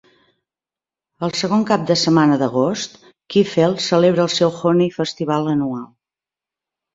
El segon cap de setmana d'agost, Kleefeld celebra el seu Honey Festival anual.